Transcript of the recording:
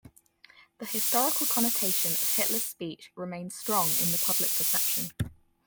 The historical connotation of Hitler's speech remains strong in the public perception.